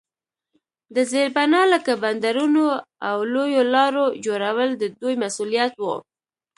د زیربنا لکه بندرونو او لویو لارو جوړول د دوی مسوولیت وو.